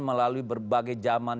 melalui berbagai zaman